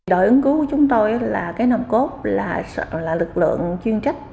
đội ứng cứu của chúng tôi là cái nồng cốt là lực lượng chuyên trách